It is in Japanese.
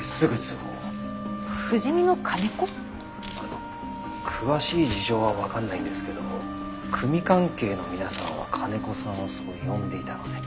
あっ詳しい事情はわかんないんですけど組関係の皆さんは金子さんをそう呼んでいたので。